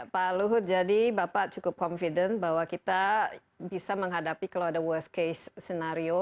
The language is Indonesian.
pak luhut jadi bapak cukup confident bahwa kita bisa menghadapi kalau ada worst case scenario